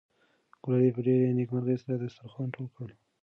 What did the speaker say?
ګلالۍ په ډېرې نېکمرغۍ سره دسترخوان ټول کړ.